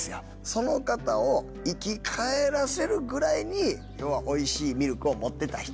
その方を生き返らせるぐらいに要はおいしいミルクを持ってた人。